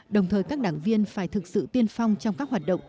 đồng thời các đảng viên phải thực sự tiên phong trong các hoạt động